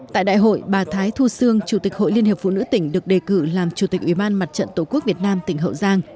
tại đại hội bà thái thu sương chủ tịch hội liên hiệp phụ nữ tỉnh được đề cử làm chủ tịch ủy ban mặt trận tổ quốc việt nam tỉnh hậu giang